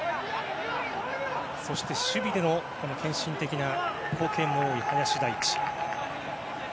そして、守備での献身的な貢献も多い林大地。